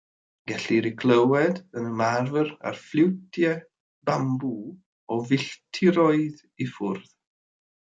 Gellir eu clywed yn ymarfer ar ffliwtiau bambŵ o filltiroedd i ffwrdd.